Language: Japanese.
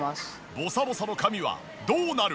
ボサボサの髪はどうなる？